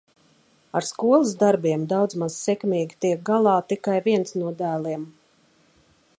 Ar skolas darbiem daudz maz sekmīgi tiek galā tikai viens no dēliem.